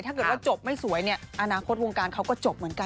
ถ้าเกิดว่าจบไม่สวยเนี่ยอนาคตวงการเขาก็จบเหมือนกัน